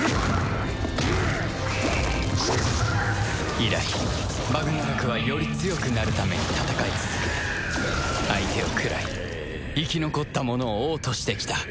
以来バグナラクはより強くなるために戦い続け相手を食らい生き残った者を王としてきた。